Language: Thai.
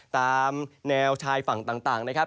ตามแนวชายฝั่งต่างนะครับ